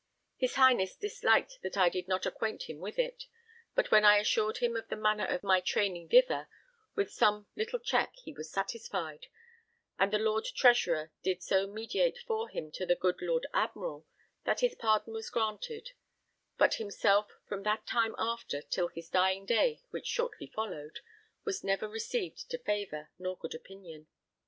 His Highness disliked that I did not acquaint him with it, but when I assured him of the manner of my training thither, with some little check he was satisfied; and the Lord Treasurer did so mediate for him to the good Lord Admiral that his pardon was granted, but himself from that time after (till his dying day which shortly followed) was never received to favour, nor good opinion.